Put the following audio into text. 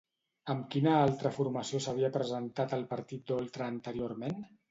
Amb quina altra formació s'havia presentat el partit d'Oltra anteriorment?